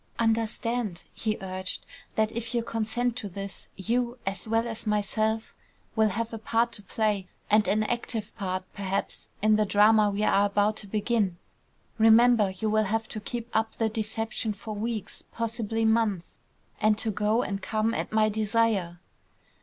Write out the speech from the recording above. "Understand," he urged, "that if you consent to this, you, as well as myself, will have a part to play, and an active part, perhaps, in the drama we are about to begin. Remember, you will have to keep up the deception for weeks, possibly months; and to go and come at my desire."